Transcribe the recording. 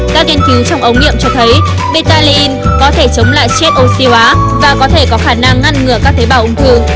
các nghiên cứu trong ống nghiệm cho thấy beta layen có thể chống lại chất oxy hóa và có thể có khả năng ngăn ngừa các thế bào ung tư